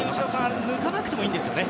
抜かなくてもいいんですよね。